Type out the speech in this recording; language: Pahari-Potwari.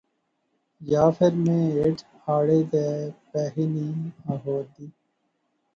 یا فیر میں ہیٹھ آڑے تے پیخی نی آخور دی